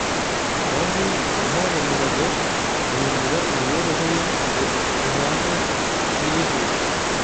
kandi yaharaniraga guhindura imibereho ye ngo ihwane n’iy’ijuru